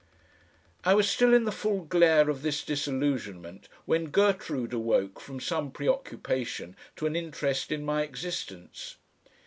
I was still in the full glare of this disillusionment when Gertrude awoke from some preoccupation to an interest in my existence.